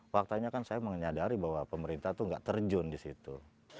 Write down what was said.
faktanya kan saya menyadari bahwa pemerintah itu nggak terjun di situ